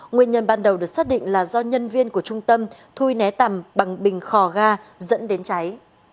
nguyên nhân ban đầu được xác định là do nhân viên của trung tâm thu né tầm bằng bình khò ga dẫn đến cháy